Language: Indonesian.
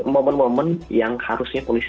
momen momen yang harusnya polisi